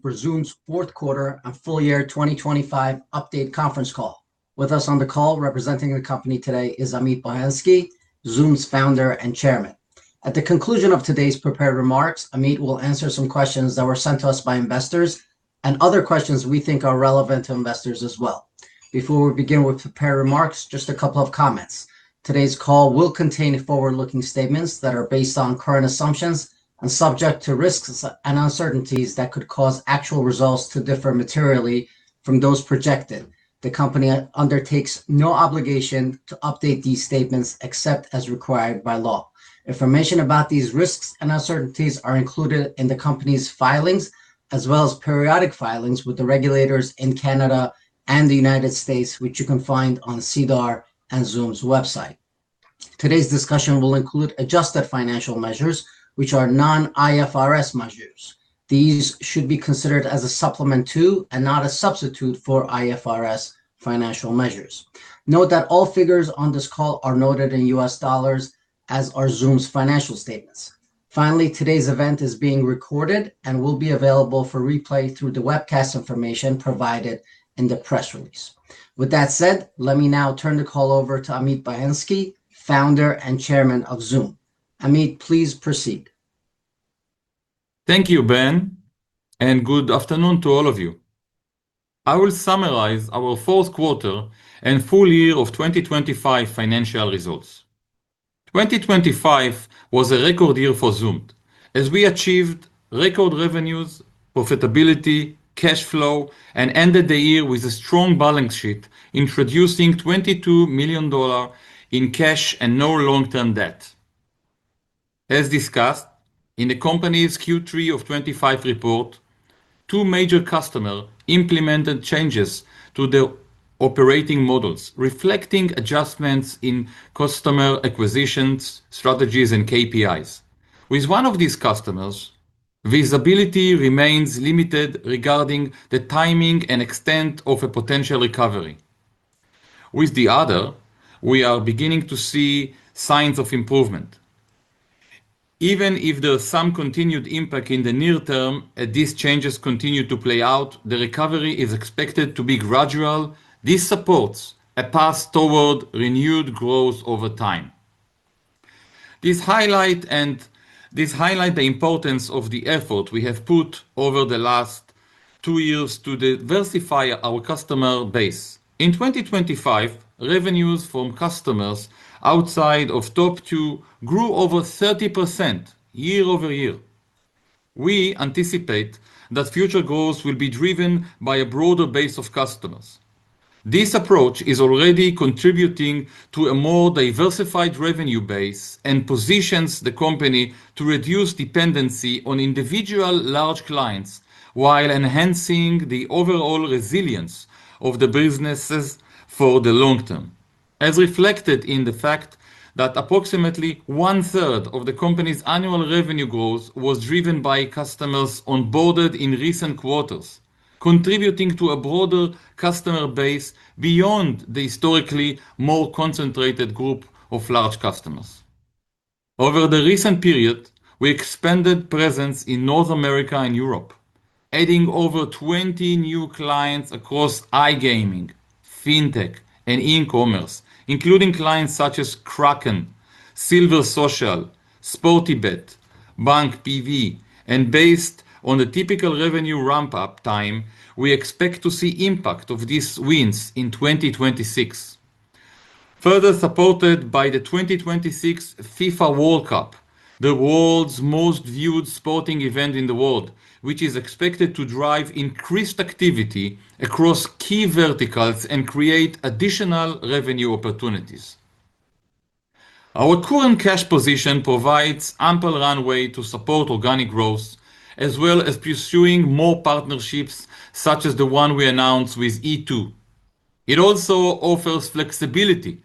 For Zoomd's fourth quarter and full year 2025 update Conference Call. With us on the call representing the company today is Amit Bohensky, Zoomd's founder and chairman. At the conclusion of today's prepared remarks, Amit will answer some questions that were sent to us by investors and other questions we think are relevant to investors as well. Before we begin with prepared remarks, just a couple of comments. Today's call will contain forward-looking statements that are based on current assumptions and subject to risks and uncertainties that could cause actual results to differ materially from those projected. The company undertakes no obligation to update these statements except as required by law. Information about these risks and uncertainties are included in the company's filings as well as periodic filings with the regulators in Canada and the U.S., which you can find on SEDAR and Zoomd's website. Today's discussion will include adjusted financial measures, which are non-IFRS measures. These should be considered as a supplement to and not a substitute for IFRS financial measures. Note that all figures on this call are noted in U.S. dollars, as are Zoomd's financial statements. Finally, today's event is being recorded and will be available for replay through the webcast information provided in the press release. With that said, let me now turn the call over to Amit Bohensky, Founder and Chairman of Zoomd. Amit, please proceed. Thank you, Ben. Good afternoon to all of you. I will summarize our fourth quarter and full year of 2025 financial results. 2025 was a record year for Zoomd as we achieved record revenues, profitability, cash flow, and ended the year with a strong balance sheet, introducing $22 million in cash and no long-term debt. As discussed in the company's Q3 of 2025 report, two major customer implemented changes to the operating models, reflecting adjustments in customer acquisitions, strategies, and KPIs. With one of these customers, visibility remains limited regarding the timing and extent of a potential recovery. With the other, we are beginning to see signs of improvement. Even if there's some continued impact in the near term as these changes continue to play out, the recovery is expected to be gradual. This supports a path toward renewed growth over time. This highlight the importance of the effort we have put over the last two years to diversify our customer base. In 2025, revenues from customers outside of top two grew over 30% year-over-year. We anticipate that future growth will be driven by a broader base of customers. This approach is already contributing to a more diversified revenue base and positions the company to reduce dependency on individual large clients while enhancing the overall resilience of the businesses for the long term. As reflected in the fact that approximately 1/3 of the company's annual revenue growth was driven by customers onboarded in recent quarters, contributing to a broader customer base beyond the historically more concentrated group of large customers. Over the recent period, we expanded presence in North America and Europe, adding over 20 new clients across iGaming, fintech, and e-commerce, including clients such as Kraken, Silver Social, SportyBet, Banco BV. Based on the typical revenue ramp-up time, we expect to see impact of these wins in 2026. Further supported by the 2026 FIFA World Cup, the world's most viewed sporting event in the world, which is expected to drive increased activity across key verticals and create additional revenue opportunities. Our current cash position provides ample runway to support organic growth, as well as pursuing more partnerships, such as the one we announced with E2. It also offers flexibility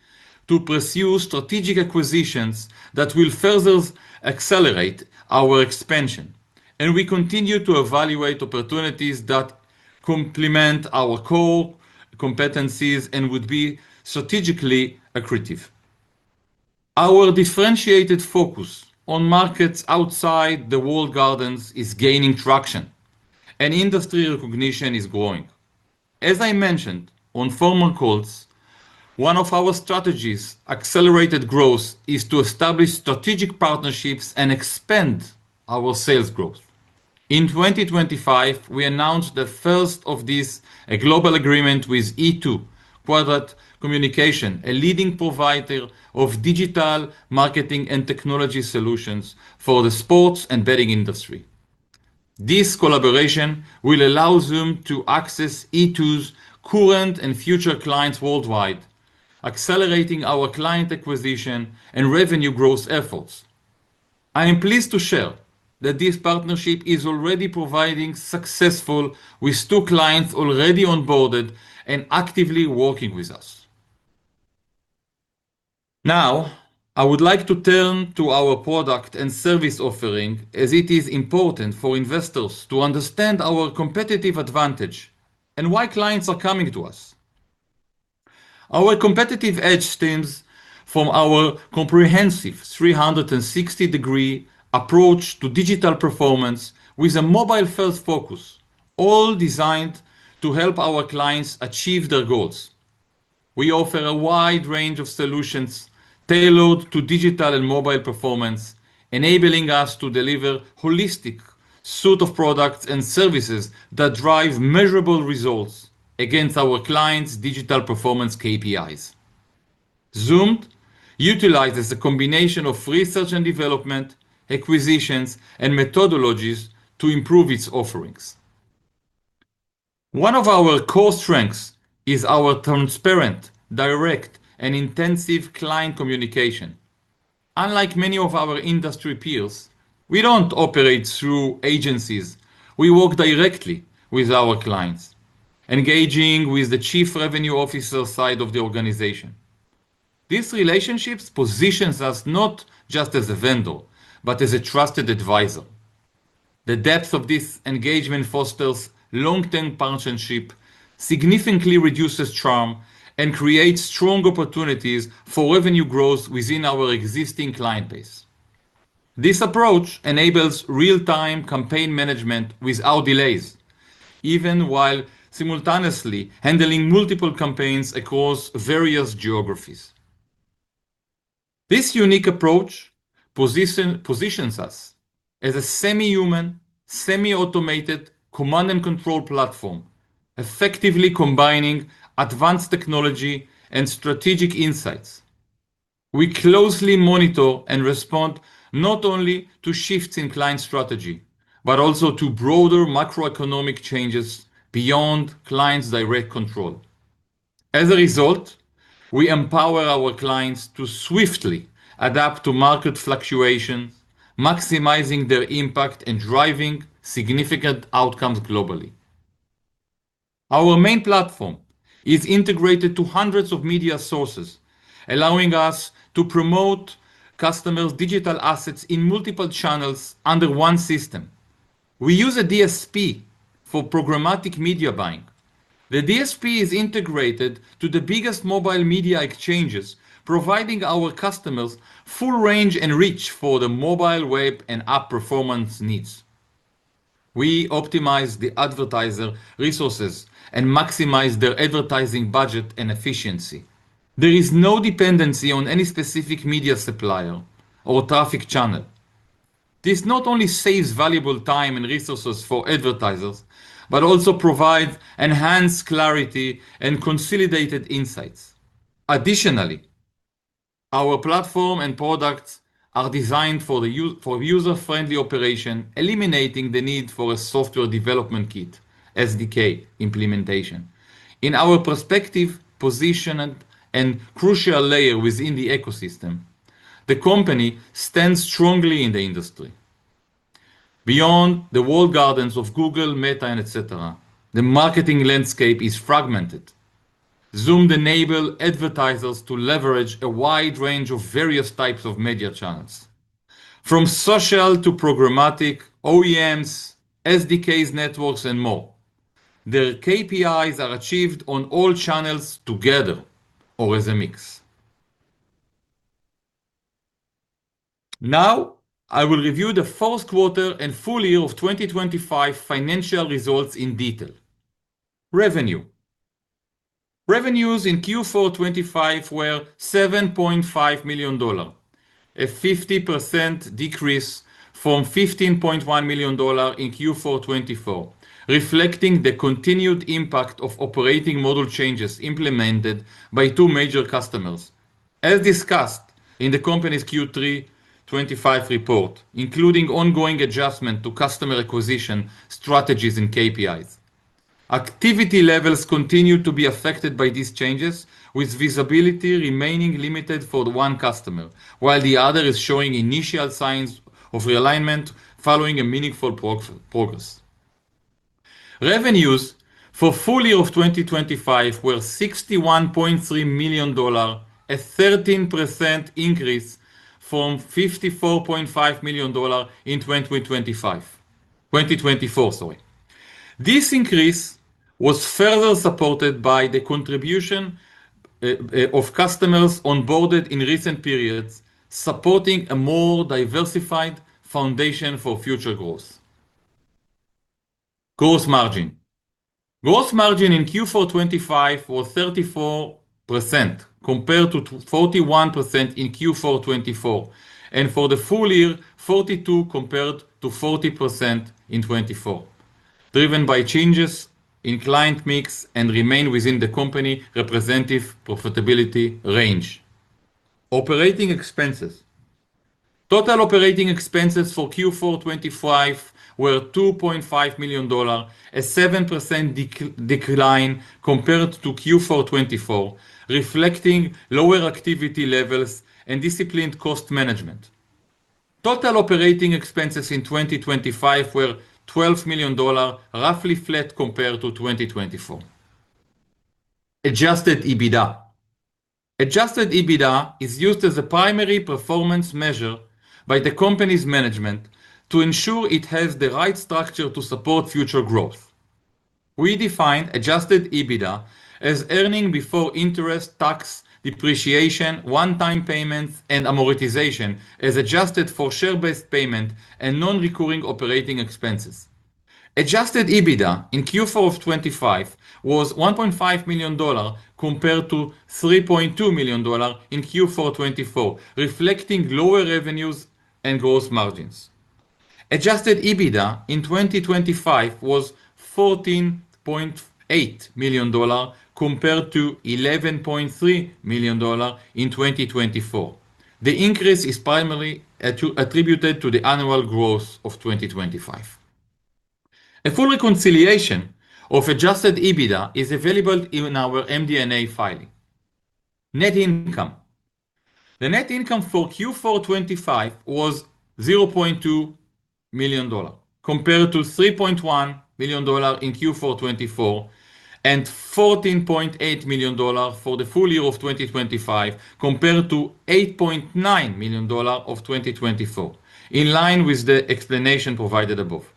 to pursue strategic acquisitions that will further accelerate our expansion. We continue to evaluate opportunities that complement our core competencies and would be strategically accretive. Our differentiated focus on markets outside the Walled Gardens is gaining traction, and industry recognition is growing. As I mentioned on former calls, one of our strategies, accelerated growth, is to establish strategic partnerships and expand our sales growth. In 2025, we announced the first of these, a global agreement with E2-Quadrat communications GMBH, a leading provider of digital marketing and technology solutions for the sports and betting industry. This collaboration will allow Zoomd to access E2's current and future clients worldwide, accelerating our client acquisition and revenue growth efforts. I am pleased to share that this partnership is already providing successful with two clients already onboarded and actively working with us. I would like to turn to our product and service offering as it is important for investors to understand our competitive advantage and why clients are coming to us. Our competitive edge stems from our comprehensive 360-degree approach to digital performance with a mobile-first focus, all designed to help our clients achieve their goals. We offer a wide range of solutions tailored to digital and mobile performance, enabling us to deliver holistic suite of products and services that drive measurable results against our clients' digital performance KPIs. Zoomd utilizes a combination of research and development, acquisitions, and methodologies to improve its offerings. One of our core strengths is our transparent, direct, and intensive client communication. Unlike many of our industry peers, we don't operate through agencies. We work directly with our clients, engaging with the chief revenue officer side of the organization. These relationships position us not just as a vendor, but as a trusted advisor. The depth of this engagement fosters long-term partnership, significantly reduces churn, and creates strong opportunities for revenue growth within our existing client base. This approach enables real-time campaign management without delays, even while simultaneously handling multiple campaigns across various geographies. This unique approach positions us as a semi-human, semi-automated command and control platform, effectively combining advanced technology and strategic insights. We closely monitor and respond not only to shifts in client strategy, but also to broader macroeconomic changes beyond clients' direct control. As a result, we empower our clients to swiftly adapt to market fluctuations, maximizing their impact and driving significant outcomes globally. Our main platform is integrated to hundreds of media sources, allowing us to promote customers' digital assets in multiple channels under one system. We use a DSP for programmatic media buying. The DSP is integrated to the biggest mobile media exchanges, providing our customers full range and reach for their mobile, web, and app performance needs. We optimize the advertiser resources and maximize their advertising budget and efficiency. There is no dependency on any specific media supplier or traffic channel. This not only saves valuable time and resources for advertisers, but also provides enhanced clarity and consolidated insights. Additionally, our platform and products are designed for user-friendly operation, eliminating the need for a software development kit, SDK, implementation. In our prospective position and crucial layer within the ecosystem, the company stands strongly in the industry. Beyond the Walled Gardens of Google, Meta, and et cetera, the marketing landscape is fragmented. Zoomd enable advertisers to leverage a wide range of various types of media channels, from social to programmatic, OEMs, SDKs, networks, and more. Their KPIs are achieved on all channels together or as a mix. Now, I will review the first quarter and full year of 2025 financial results in detail. Revenue. Revenues in Q4 2025 were $7.5 million, a 50% decrease from $15.1 million in Q4 2024, reflecting the continued impact of operating model changes implemented by two major customers. As discussed in the company's Q3 2025 report, including ongoing adjustment to customer acquisition strategies and KPIs. Activity levels continue to be affected by these changes, with visibility remaining limited for one customer, while the other is showing initial signs of realignment following a meaningful progress. Revenues for full year of 2025 were $61.3 million, a 13% increase from $54.5 million in 2025. 2024, sorry. This increase was further supported by the contribution of customers onboarded in recent periods, supporting a more diversified foundation for future growth. Gross margin in Q4 2025 was 34% compared to 41% in Q4 2024, and for the full year, 42% compared to 40% in 2024, driven by changes in client mix and remain within the company representative profitability range. Operating expenses. Total operating expenses for Q4 2025 were $2.5 million, a 7% decline compared to Q4 2024, reflecting lower activity levels and disciplined cost management. Total operating expenses in 2025 were $12 million, roughly flat compared to 2024. Adjusted EBITDA. Adjusted EBITDA is used as a primary performance measure by the company's management to ensure it has the right structure to support future growth. We define Adjusted EBITDA as earnings before interest, tax, depreciation, one-time payments, and amortization, as adjusted for share-based payment and non-recurring operating expenses. Adjusted EBITDA in Q4 of 2025 was $1.5 million compared to $3.2 million in Q4 2024, reflecting lower revenues and gross margins. Adjusted EBITDA in 2025 was $14.8 million compared to $11.3 million in 2024. The increase is primarily attributed to the annual growth of 2025. A full reconciliation of Adjusted EBITDA is available in our MD&A filing. Net income. The net income for Q4 2025 was $0.2 million compared to $3.1 million in Q4 2024, and $14.8 million for the full year of 2025 compared to $8.9 million of 2024, in line with the explanation provided above.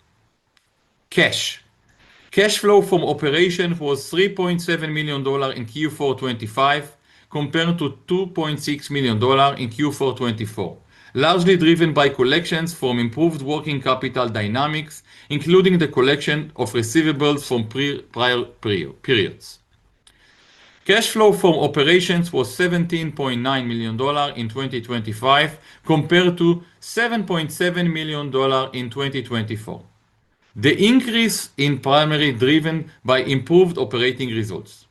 Cash. Cash flow from operation was $3.7 million in Q4 2025 compared to $2.6 million in Q4 2024, largely driven by collections from improved working capital dynamics, including the collection of receivables from pre-prior periods. Cash flow from operations was $17.9 million in 2025 compared to $7.7 million in 2024. The increase in primarily driven by improved operating results.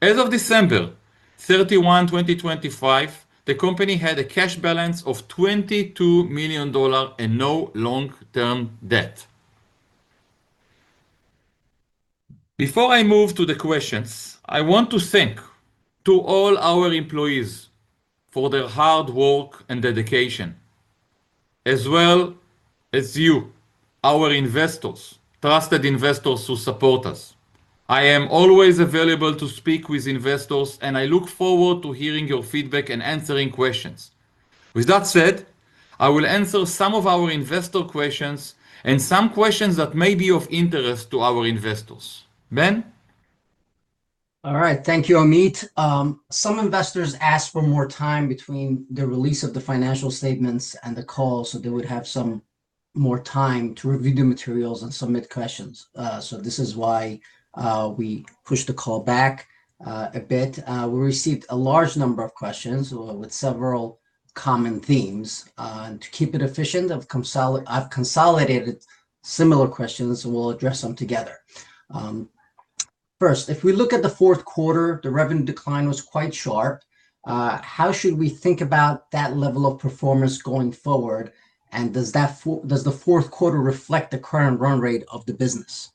As of 31st December 2025, the company had a cash balance of $22 million and no long-term debt. Before I move to the questions, I want to thank to all our employees for their hard work and dedication, as well as you, our investors, trusted investors who support us. I am always available to speak with investors, and I look forward to hearing your feedback and answering questions. With that said, I will answer some of our investor questions and some questions that may be of interest to our investors. Ben? All right. Thank you, Amit. Some investors asked for more time between the release of the financial statements and the call, so they would have some more time to review the materials and submit questions. This is why we pushed the call back a bit. We received a large number of questions with several common themes. To keep it efficient, I've consolidated similar questions, and we'll address them together. First, if we look at the fourth quarter, the revenue decline was quite sharp. How should we think about that level of performance going forward, and does the fourth quarter reflect the current run rate of the business?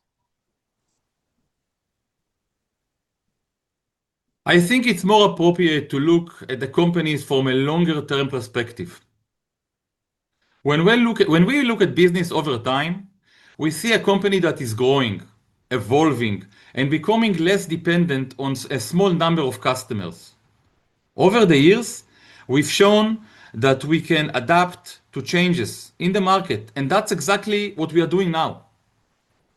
I think it's more appropriate to look at the companies from a longer-term perspective. When we look at business over time, we see a company that is growing, evolving, and becoming less dependent on a small number of customers. Over the years, we've shown that we can adapt to changes in the market, and that's exactly what we are doing now.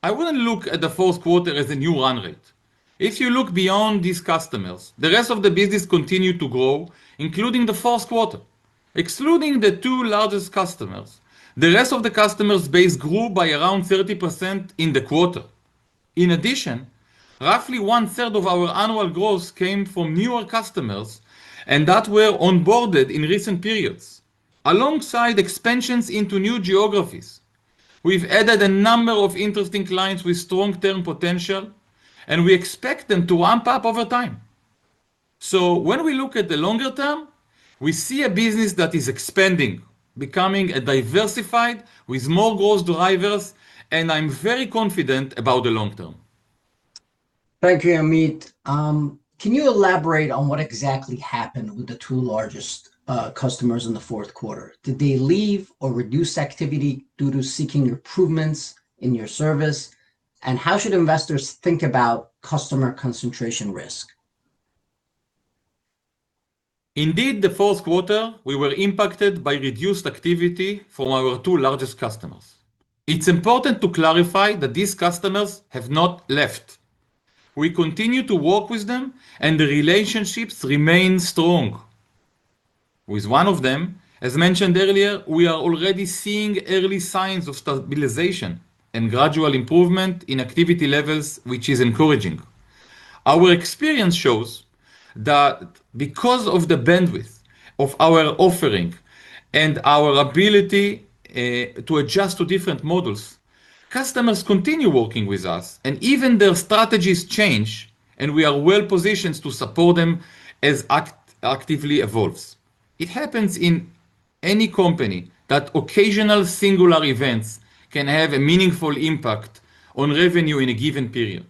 I wouldn't look at the fourth quarter as a new run rate. If you look beyond these customers, the rest of the business continued to grow, including the fourth quarter. Excluding the two largest customers, the rest of the customers base grew by around 30% in the quarter. In addition, roughly one-third of our annual growth came from newer customers that were onboarded in recent periods. Alongside expansions into new geographies, we've added a number of interesting clients with strong term potential. We expect them to ramp up over time. When we look at the longer term, we see a business that is expanding, becoming diversified with more growth drivers. I'm very confident about the long term. Thank you, Amit. Can you elaborate on what exactly happened with the two largest customers in the fourth quarter? Did they leave or reduce activity due to seeking improvements in your service? How should investors think about customer concentration risk? The fourth quarter, we were impacted by reduced activity from our two largest customers. It's important to clarify that these customers have not left. We continue to work with them, and the relationships remain strong. With one of them, as mentioned earlier, we are already seeing early signs of stabilization and gradual improvement in activity levels, which is encouraging. Our experience shows that because of the bandwidth of our offering and our ability to adjust to different models, customers continue working with us and even their strategies change, and we are well positioned to support them as actively evolves. It happens in any company that occasional singular events can have a meaningful impact on revenue in a given period.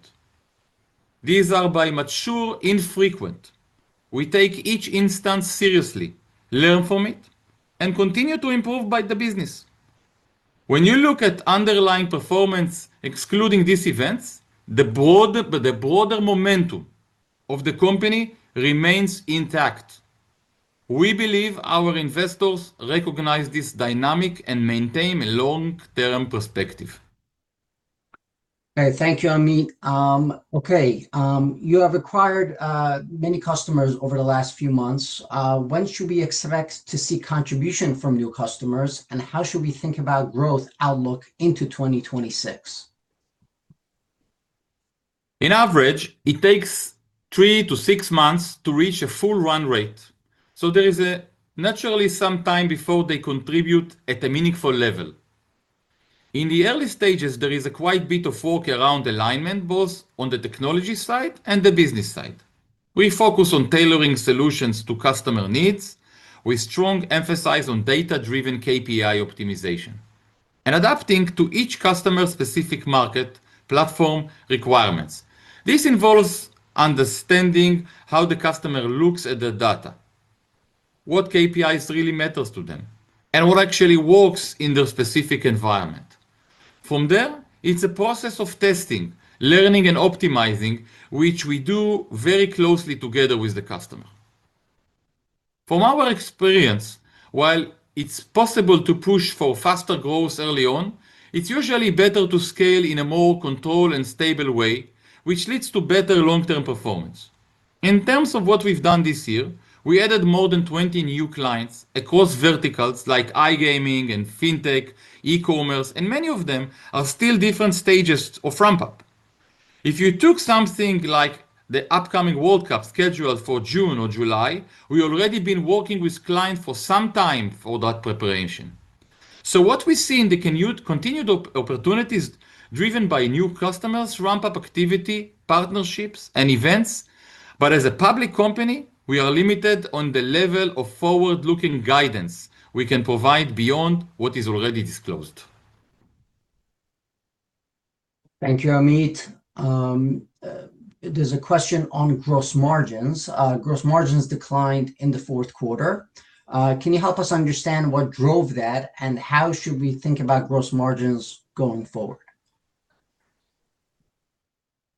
These are by nature infrequent. We take each instance seriously, learn from it, and continue to improve by the business. When you look at underlying performance excluding these events, the broader momentum of the company remains intact. We believe our investors recognize this dynamic and maintain a long-term perspective. Okay, thank you, Amit. Okay. You have acquired many customers over the last few months. When should we expect to see contribution from new customers? How should we think about growth outlook into 2026? In average, it takes 3-6 months to reach a full run rate. There is naturally some time before they contribute at a meaningful level. In the early stages, there is a quite bit of work around alignment, both on the technology side and the business side. We focus on tailoring solutions to customer needs with strong emphasis on data-driven KPI optimization and adapting to each customer's specific market platform requirements. This involves understanding how the customer looks at their data, what KPIs really matters to them, and what actually works in their specific environment. From there, it's a process of testing, learning, and optimizing, which we do very closely together with the customer. From our experience, while it's possible to push for faster growth early on, it's usually better to scale in a more controlled and stable way, which leads to better long-term performance. In terms of what we've done this year, we added more than 20 new clients across verticals like iGaming and fintech, e-commerce, and many of them are still different stages of ramp-up. If you took something like the upcoming World Cup scheduled for June or July, we already been working with clients for some time for that preparation. What we see in the continued opportunities driven by new customers, ramp-up activity, partnerships, and events, but as a public company, we are limited on the level of forward-looking guidance we can provide beyond what is already disclosed. Thank you, Amit. There's a question on gross margins. Gross margins declined in the fourth quarter. Can you help us understand what drove that, and how should we think about gross margins going forward?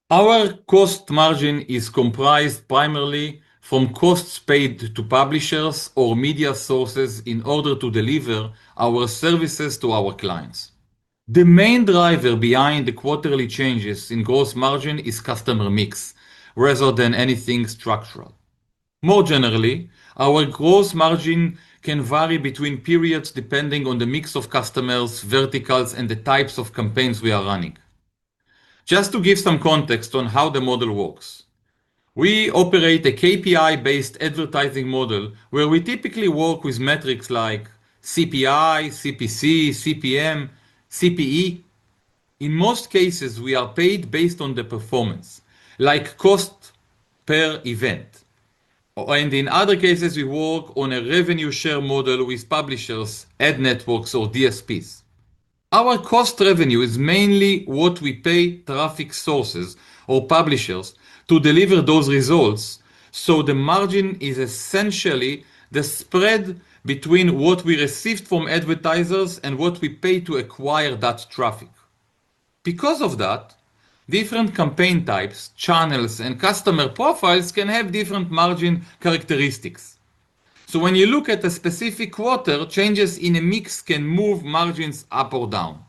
Our gross margin is comprised primarily from costs paid to publishers or media sources in order to deliver our services to our clients. The main driver behind the quarterly changes in gross margin is customer mix rather than anything structural. More generally, our gross margin can vary between periods depending on the mix of customers, verticals, and the types of campaigns we are running. Just to give some context on how the model works, we operate a KPI-based advertising model where we typically work with metrics like CPI, CPC, CPM, CPE. In most cases, we are paid based on the performance, like cost per event, and in other cases, we work on a revenue share model with publishers, ad networks or DSPs. Our cost revenue is mainly what we pay traffic sources or publishers to deliver those results, so the margin is essentially the spread between what we received from advertisers and what we pay to acquire that traffic. Because of that, different campaign types, channels, and customer profiles can have different margin characteristics. When you look at a specific quarter, changes in a mix can move margins up or down.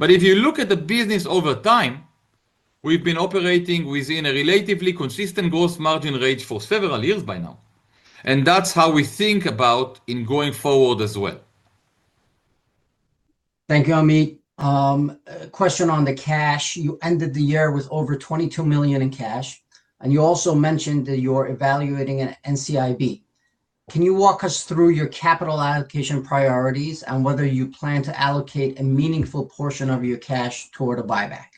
If you look at the business over time, we've been operating within a relatively consistent gross margin range for several years by now, and that's how we think about in going forward as well. Thank you, Amit. A question on the cash. You ended the year with over $22 million in cash. You also mentioned that you're evaluating an NCIB. Can you walk us through your capital allocation priorities and whether you plan to allocate a meaningful portion of your cash toward a buyback?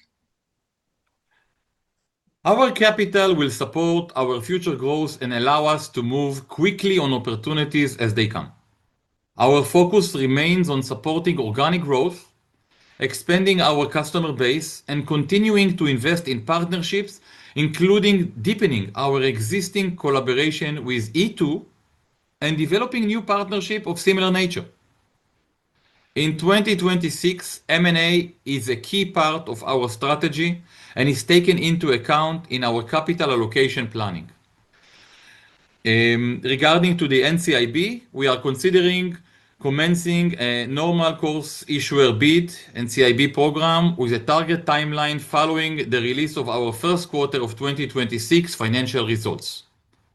Our capital will support our future growth and allow us to move quickly on opportunities as they come. Our focus remains on supporting organic growth, expanding our customer base, and continuing to invest in partnerships, including deepening our existing collaboration with E2 and developing new partnership of similar nature. In 2026, M&A is a key part of our strategy and is taken into account in our capital allocation planning. Regarding to the NCIB, we are considering commencing a normal course issuer bid NCIB program with a target timeline following the release of our first quarter of 2026 financial results.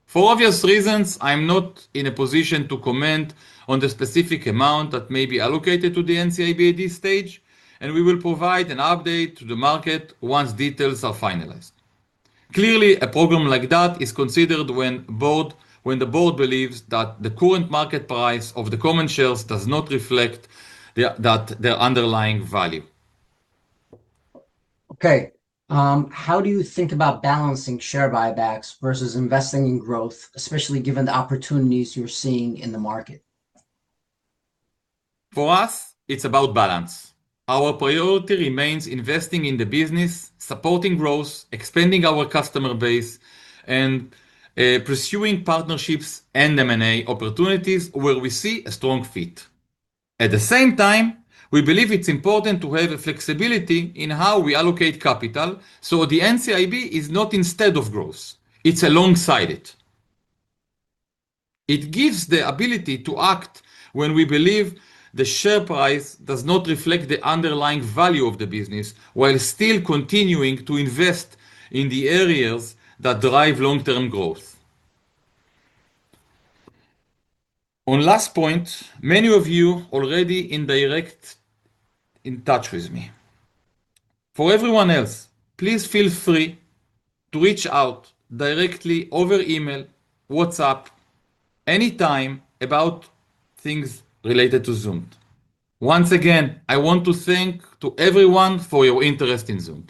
For obvious reasons, I'm not in a position to comment on the specific amount that may be allocated to the NCIB at this stage, and we will provide an update to the market once details are finalized. Clearly, a program like that is considered when the board believes that the current market price of the common shares does not reflect the underlying value. Okay. How do you think about balancing share buybacks versus investing in growth, especially given the opportunities you're seeing in the market? For us, it's about balance. Our priority remains investing in the business, supporting growth, expanding our customer base, and pursuing partnerships and M&A opportunities where we see a strong fit. At the same time, we believe it's important to have a flexibility in how we allocate capital, so the NCIB is not instead of growth, it's alongside it. It gives the ability to act when we believe the share price does not reflect the underlying value of the business, while still continuing to invest in the areas that drive long-term growth. On last point, many of you already in direct touch with me. For everyone else, please feel free to reach out directly over email, WhatsApp, anytime about things related to Zoomd. Once again, I want to thank to everyone for your interest in Zoomd.